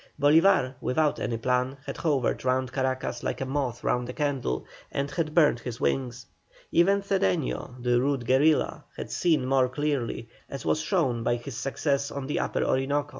Bolívar, without any plan, had hovered round Caracas like a moth round a candle, and had burned his wings. Even Cedeño, the rude guerilla, had seen more clearly, as was shown by his success on the Upper Orinoco.